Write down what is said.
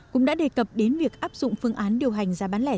cũng đã đề cập đến việc áp dụng phương án điều hành giá bán lẻ